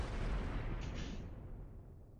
尔后进军青海。